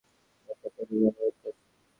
ব্যাকআপপের অনুরোধ করছি।